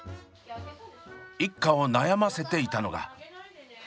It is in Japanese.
一家を悩ませていたのが。